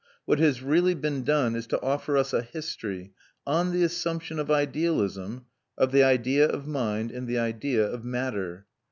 What has really been done is to offer us a history, on the assumption of idealism, of the idea of mind and the idea of matter.